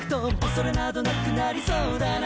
「恐れなどなくなりそうだな」